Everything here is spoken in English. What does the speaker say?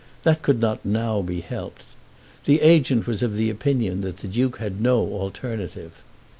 That could not now be helped. The agent was of opinion that the Duke had had no alternative.